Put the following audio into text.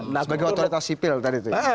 sebagai otoritas sipil tadi itu ya